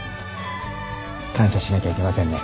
感謝しなきゃいけませんね